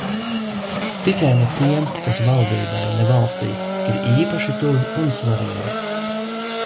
Tikai ne tiem, kas valdībai, ne valstij, ir īpaši tuvi un svarīgi.